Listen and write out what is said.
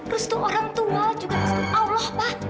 restu orang tua juga restu allah pak